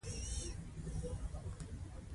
درېیمې ډلې موافق او مخالف اړخونه سره بېل کړي دي.